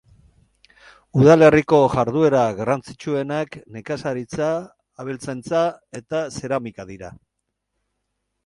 Udalerriko jarduera garrantzitsuenak nekazaritza, abeltzaintza eta zeramika dira.